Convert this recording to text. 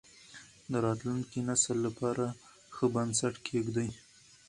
د راتلونکي نسل لپاره ښه بنسټ کېږدئ.